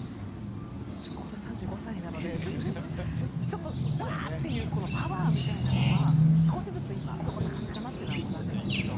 ちょっと今年３５歳なのでうわあっというパワーみたいなのは少しずつこんな感じかなとやっているんですけれど。